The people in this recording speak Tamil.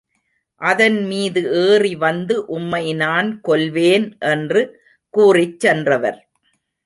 அதன்மீது ஏறி வந்து உம்மை நான் கொல்வேன் என்று கூறிச் சென்றவர்.